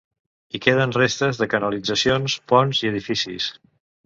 Hi queden restes de canalitzacions, ponts i edificis.